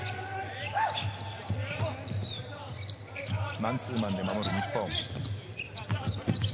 マンツーマンで守る日本。